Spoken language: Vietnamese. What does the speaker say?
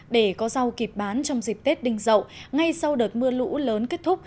để có rau kịp bán trong dịp tết đinh dậu ngay sau đợt mưa lũ lớn kết thúc